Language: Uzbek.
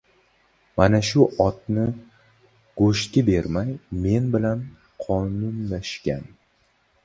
— Mana shu otini go‘shtga bermay, men bilan qonunlashgan!